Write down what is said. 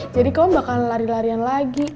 jadi kamu bakalan lari dua an lagi